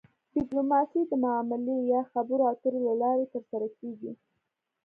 ډیپلوماسي د معاملې یا خبرو اترو له لارې ترسره کیږي